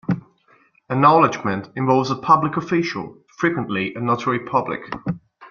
Acknowledgement involves a public official, frequently a notary public.